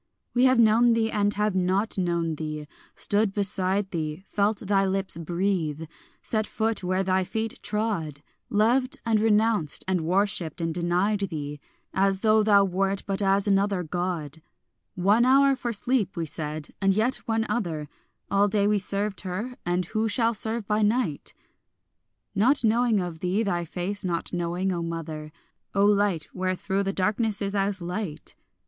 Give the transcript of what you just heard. We have known thee and have not known thee; stood beside thee, Felt thy lips breathe, set foot where thy feet trod, Loved and renounced and worshipped and denied thee, As though thou wert but as another God, "One hour for sleep," we said, "and yet one other; All day we served her, and who shall serve by night?" Not knowing of thee, thy face not knowing, O mother, O light wherethrough the darkness is as light.